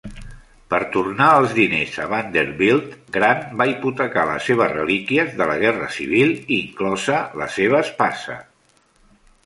Per tornar els diners a Vanderbilt, Grant va hipotecar les seves relíquies de la Guerra Civil, inclosa la seva espasa.